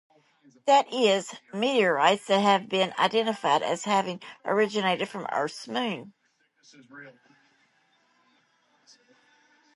That is, meteorites that have been identified as having originated from Earth's Moon.